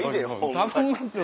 頼みますよ